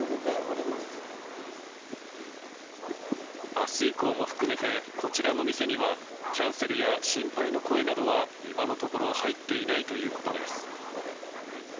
明日以降も含めてこちらの店にはキャンセルや心配の声などは今のところ入っていないということです。